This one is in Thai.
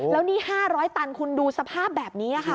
แล้วนี่๕๐๐ตันคุณดูสภาพแบบนี้ค่ะ